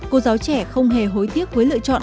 cô giáo trẻ không hề hối tiếc với lựa chọn